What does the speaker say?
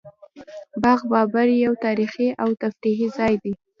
باغ بابر یو تاریخي او تفریحي ځای دی